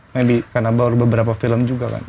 maybe karena baru beberapa film juga kan